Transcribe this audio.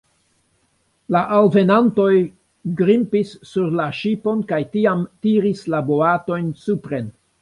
La alvenantoj grimpis sur la ŝipon kaj tiam tiris la boatojn supren.